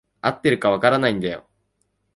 合ってるか分からないんだよ。